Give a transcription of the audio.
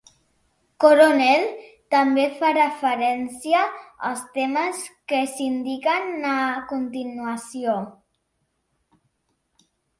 "Coronel" també fa referència als temes que s'indiquen a continuació.